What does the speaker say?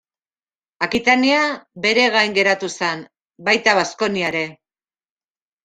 Akitania beregain geratu zen, baita Baskonia ere.